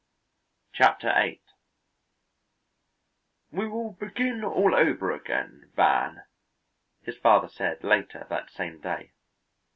Chapter Eight "We will begin all over again, Van," his father said later that same day.